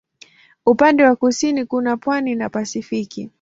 Upande wa kusini kuna pwani na Pasifiki.